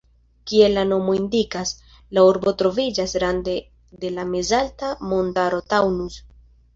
Kiel la nomo indikas, la urbo troviĝas rande de la mezalta montaro Taunus.